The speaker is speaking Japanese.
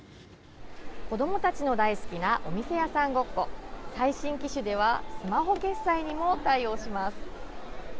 子どもたちの大好きなお店屋さんごっこ最新機種ではスマホ決済にも対応します。